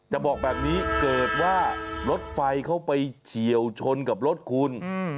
จะบอกแบบนี้เกิดว่ารถไฟเขาไปเฉียวชนกับรถคุณ